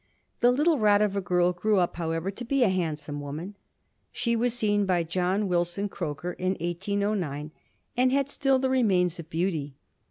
The little rat of a girl grew up, how ever, to be a handsome woman. She was seen by John Wilson Croker in 1809 and had still the remains of beau ty.